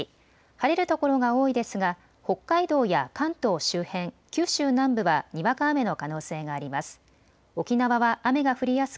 晴れる所が多いですが北海道や関東周辺、九州南部はにわか雨の可能性があります。